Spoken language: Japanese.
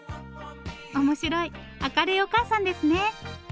面白い明るいお母さんですね。